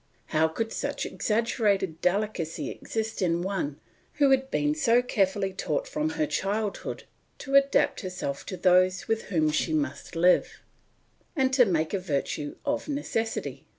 How could such exaggerated delicacy exist in one who had been so carefully taught from her childhood to adapt herself to those with whom she must live, and to make a virtue of necessity?